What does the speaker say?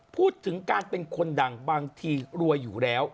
พูดถึงการเป็นคนดังบางทีรวยอยู่แล้ว